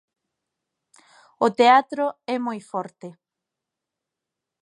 O teatro é moi forte.